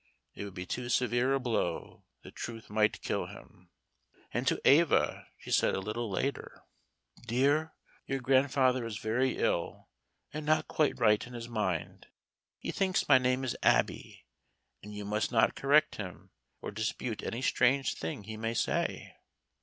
"It would be too severe a blow; the truth might kill him." And to Eva she said a little later: "Dear, your grandfather is very ill, and not quite right in his mind. He thinks my name is Abby, and you must not correct him or dispute any strange thing he may say."